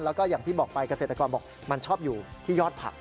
แล้วก็อย่างที่บอกไปเกษตรกรบอกมันชอบอยู่ที่ยอดผัก